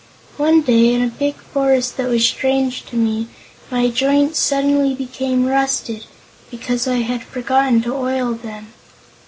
One day, in a big forest that was strange to me, my joints suddenly became rusted, because I had forgotten to oil them.